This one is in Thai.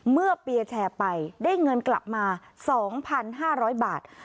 เปียร์แชร์ไปได้เงินกลับมา๒๕๐๐บาท